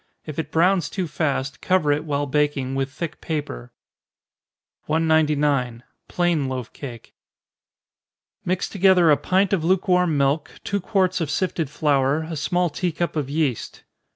If it browns too fast, cover it, while baking, with thick paper. 199. Plain Loaf Cake. Mix together a pint of lukewarm milk, two quarts of sifted flour, a small tea cup of yeast.